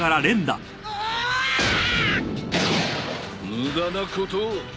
無駄なことを。